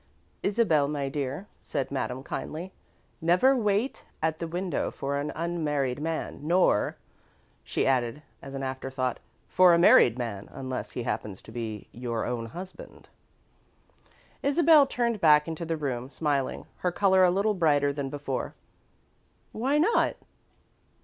"Isabel, my dear," said Madame, kindly, "never wait at the window for an unmarried man. Nor," she added as an afterthought, "for a married man, unless he happens to be your own husband." Isabel turned back into the room, smiling, her colour a little brighter than before. "Why not?"